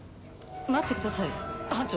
待ってください班長。